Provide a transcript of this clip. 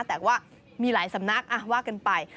แต่ว่ามีหลายสำนักว่ากันไป